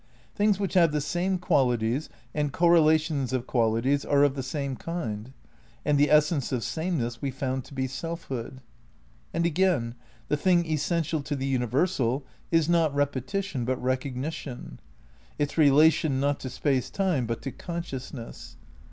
Things which have the same qualities and correlations of qual ities are of the same kind ; and the essence of sameness we found to be selfhood. And again, the thing essential to the universal is not repetition but recognition; its relation, not to Space Time but to consciousness.